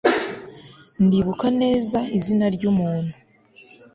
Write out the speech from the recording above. Ndibuka neza izina ryumuntu